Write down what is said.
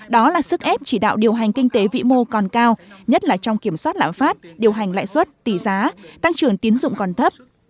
đó là sức ép chỉ đạo điều hành kinh tế vĩ mô còn cao nhất là trong kiểm soát lãm phát điều hành lãi suất tỷ giá tăng trưởng tiến dụng còn thấp